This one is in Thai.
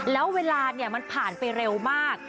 แล้วเวลามันผ่านไปเร็วมาก